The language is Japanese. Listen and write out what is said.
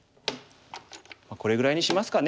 これぐらいにしますかね。